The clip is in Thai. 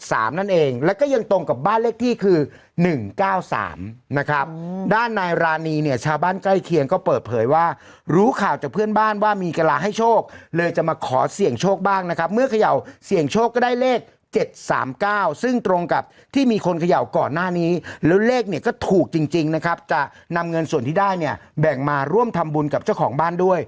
สามนะครับด้านในร้านนี้เนี้ยชาวบ้านใกล้เคียงก็เปิดเผยว่ารู้ข่าวจากเพื่อนบ้านว่ามีกระลาให้โชคเลยจะมาขอเสี่ยงโชคบ้างนะครับเมื่อเขย่าเสี่ยงโชคก็ได้เลขเจ็ดสามเก้าซึ่งตรงกับที่มีคนเขย่าก่อนหน้านี้แล้วเลขเนี้ยก็ถูกจริงจริงนะครับจะนำเงินส่วนที่ได้เนี้ยแบ่งมาร่วมทำบุญกับเจ้าของบ้าน